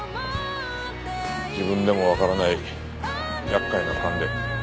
自分でもわからない厄介な勘で。